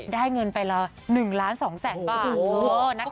ได้เงินไปละ๑ล้าน๒แสงบาทเหลือนะคะ